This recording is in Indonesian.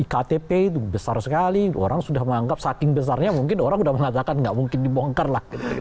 ktp itu besar sekali orang sudah menganggap saking besarnya mungkin orang sudah mengatakan nggak mungkin dibongkar lah